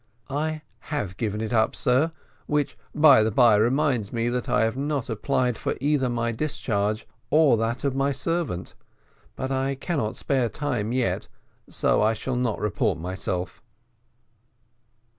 "I have given it up, sir; which, by the bye, reminds me that I have not applied for either my discharge or that of my servant; but I cannot spare time yet, so I shall not report myself."